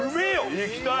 行きたい！